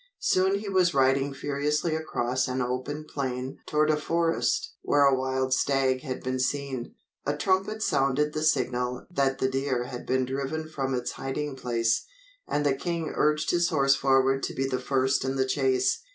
Soon he was riding furiously across an open plain toward a forest where a wild stag had been seen. A trumpet sounded the signal that the deer had been driven from its hiding place, and the king urged his horse forward to be the first in the chase.